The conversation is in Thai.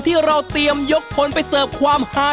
ที่เราเตรียมยกผลไปเสิร์ฟความฮา